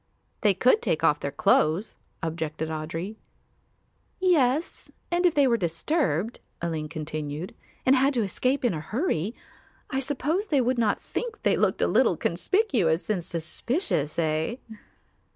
"They could take off their clothes," objected Audry. "Yes, and if they were disturbed," Aline continued, "and had to escape in a hurry, I suppose they would not think they looked a little conspicuous and suspicious, eh?"